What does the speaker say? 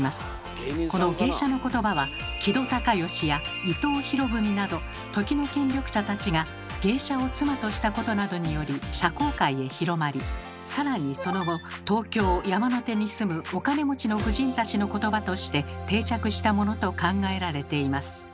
この芸者の言葉は木戸孝允や伊藤博文など時の権力者たちが芸者を妻としたことなどにより社交界へ広まりさらにその後東京・山の手に住むお金持ちの婦人たちの言葉として定着したものと考えられています。